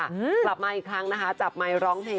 กลับมาอีกครั้งนะคะจับไมค์ร้องเพลง